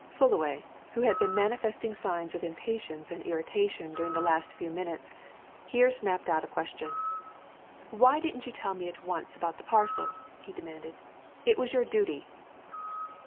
Fullaway, who had been manifesting signs of impatience and irritation during the last few minutes, here snapped out a question. "Why didn't you tell me at once about the parcel?" he demanded. "It was your duty!"